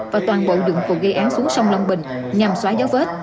và toàn bộ đường của gây án xuống sông long bình nhằm xóa gió vết